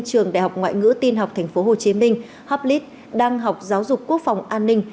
trường đại học ngoại ngữ tiên học tp hcm hap lit đang học giáo dục quốc phòng an ninh